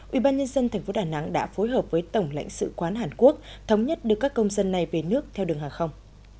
ubnd tp đà nẵng đã phối hợp với tổng lãnh sự quán hàn quốc thống nhất đưa các công dân này về nước theo đường hàng không